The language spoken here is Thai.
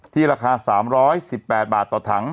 ราคา๓๑๘บาทต่อถัง